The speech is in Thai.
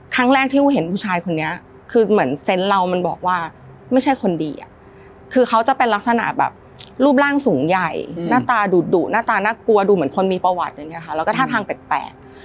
ครั้งแรกที่เห็นผู้ชายคนนี้คือเหมือนเซนต์เรามันบอกว่าไม่ใช่คนดีอ่ะคือเขาจะเป็นลักษณะแบบรูปร่างสูงใหญ่หน้าตาดุดุหน้าตาน่ากลัวดูเหมือนคนมีประวัติอย่างนี้ค่ะแล้วก็ท่าทางแปลก